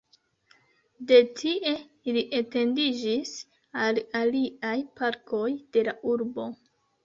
De tie, Ili etendiĝis al aliaj parkoj de la urbo.